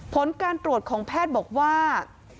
ผลการตรวจของแพทย์บอกว่า